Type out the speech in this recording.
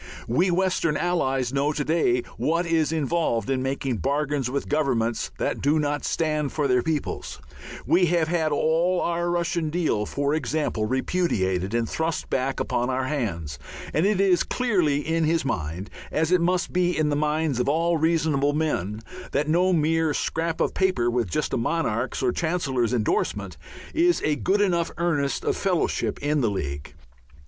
We western allies know to day what is involved in making bargains with governments that do not stand for their peoples; we have had all our Russian deal, for example, repudiated and thrust back upon our hands; and it is clearly in his mind, as it must be in the minds of all reasonable men, that no mere "scrap of paper," with just a monarch's or a chancellor's endorsement, is a good enough earnest of fellowship in the league.